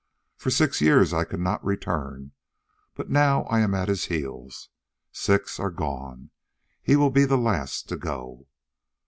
For six years I could not return, but now I am at his heels. Six are gone; he will be the last to go."